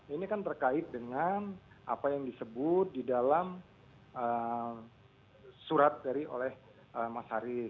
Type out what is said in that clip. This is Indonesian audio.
ini kan terkait dengan apa yang disebut di dalam surat oleh mas haris